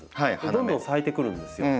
どんどん咲いてくるんですよ。